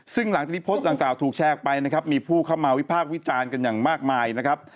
ซึ่งหลังจากนี้โพสต์ดังกล่าวถูกแชร์ออกไปนะครับมีผู้เข้ามาวิพากษ์วิจารณ์กันอย่างมากมายนะครับ